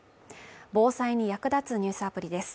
防災に役立つニュースアプリです。